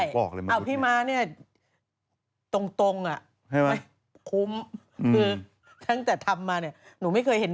จุ๊บโทรหมดแต่ไทยจากเกาหลี